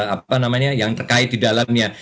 apa namanya yang terkait di dalamnya